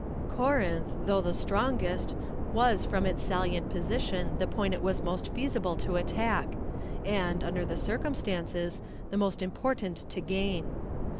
Corinth, though the strongest, was from its salient position the point it was most feasible to attack, and, under the circumstances, the most important to gain.